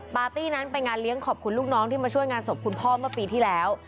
ปาร์ตี้นั้นไปงานเลี้ยงขอบคุณลูกน้องที่มาช่วยงานศพคุณพ่อเมื่อปีที่แล้ว